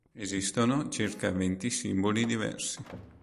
Esistono circa venti simboli diversi.